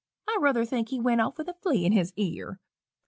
I ruther think he went off with a flea in his ear.